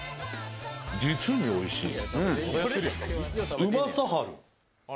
実においしい。